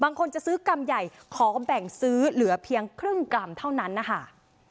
บางคนจะซื้อกรรมใหญ่ขอแบ่งซื้อเหลือเพียงครึ่งกรัมเท่านั้นนะคะ